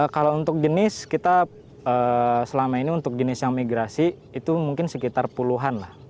kalau untuk jenis kita selama ini untuk jenis yang migrasi itu mungkin sekitar puluhan lah